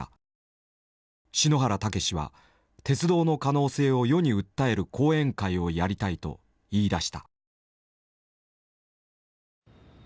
篠原武司は鉄道の可能性を世に訴える講演会をやりたいと言いだした。